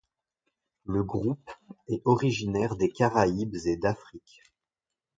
Le groupe est originaire des Caraïbes et d'Afrique.